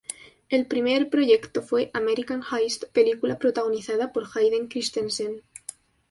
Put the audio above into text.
El primer proyecto fue "American Heist", película protagonizada por Hayden Christensen.